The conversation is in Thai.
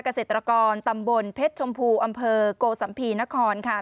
เกษตรกรตำบลเพชรชมพูอำเภอโกสัมภีนครค่ะ